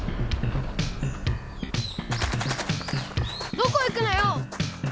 どこ行くのよ